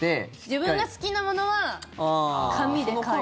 自分が好きなものは紙で買いたい。